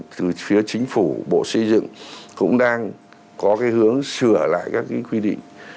từ phía chính phủ bộ xây dựng cũng đang có cái hướng sửa lại các cái quy định